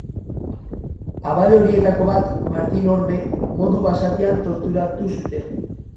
Abade horietako bat, Martin Orbe, modu basatian torturatu zuten.